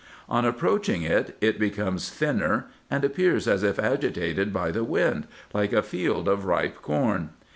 On approaching it, it becomes thinner, and appears as if agitated by the wind, like a field of ripe corn.